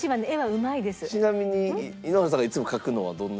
ちなみに井ノ原さんがいつも描くのはどんな？